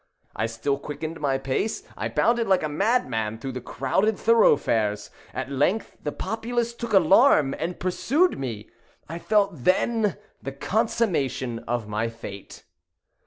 I still quickened my pace. I bounded like a madman through the crowded thoroughfares. At length, the populace took the alarm, and pursued me. I felt then the consummation of my fate.